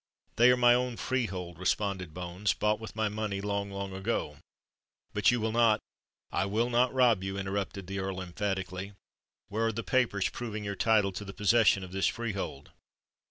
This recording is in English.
"They are my own freehold," responded Bones,—"bought with my money, long, long ago. But you will not——" "I will not rob you," interrupted the Earl emphatically. "Where are the papers proving your title to the possession of this freehold?"